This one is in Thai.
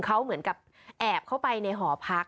เขาเหมือนกับแอบเข้าไปในหอพัก